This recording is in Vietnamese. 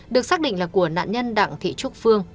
được xác định là của nạn nhân đặng thị trúc phương